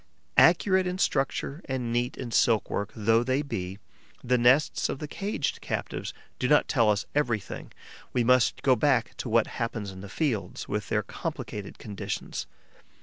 Accurate in structure and neat in silk work though they be, the nests of the caged captives do not tell us everything; we must go back to what happens in the fields, with their complicated conditions.